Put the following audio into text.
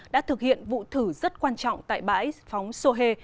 đã thực hiện vụ thử rất quan trọng tại bãi phóng sohe